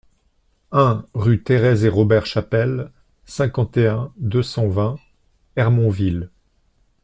un rue Thérèse et Robert Chapelle, cinquante et un, deux cent vingt, Hermonville